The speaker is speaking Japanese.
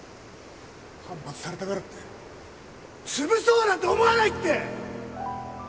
反発されたからって潰そうなんて思わないって！